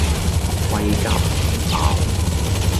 貴夾唔飽